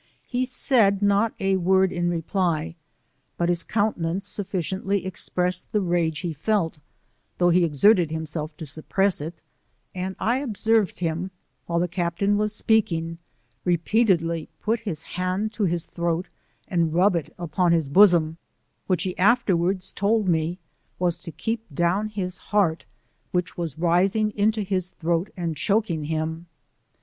He said not a word in reply, but his countenance sufficiently expressed the rage he felt, though he exerted himself to sup press it, and I observed hira while the Captaia was speaking, repeatedly put his hand to his throat, and rub it upon his bosom, which he ^afterwards told me was to keep down his heart, which was rising into his throat and choaking him.